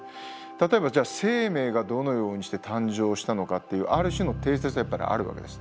例えばじゃあ生命がどのようにして誕生したのかっていうある種の定説はやっぱりあるわけです。